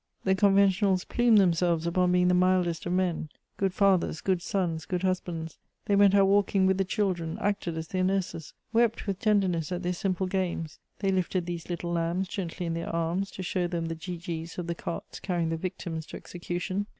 The Conventionals plumed themselves upon being the mildest of men: good fathers, good sons, good husbands, they went out walking with the children, acted as their nurses, wept with tenderness at their simple games; they lifted these little lambs gently in their arms to show them the "gee gees" of the carts carrying the victims to execution.